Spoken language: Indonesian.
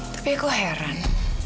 tapi aku heran